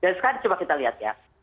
dan sekarang coba kita lihat ya